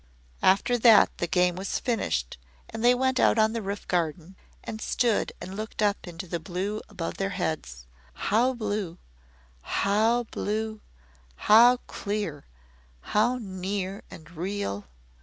After that the game was finished and they went out on the roof garden and stood and looked up into the blue above their heads. How blue how blue how clear how near and real!